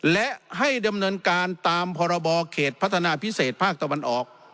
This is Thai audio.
และให้ดำเนินการตามพรบเขตพัฒนาพิเศษภาคตะวันออก